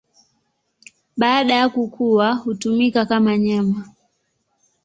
Baada ya kukua hutumika kama nyama.